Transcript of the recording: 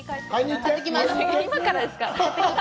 今からですか？